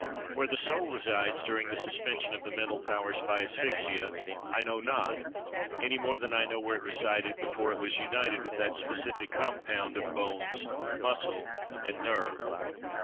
Where the soul resides during the suspension of the mental powers by asphyxia, I know not, any more than I know where it resided before it was united with that specific compound of bones, muscles, and nerve."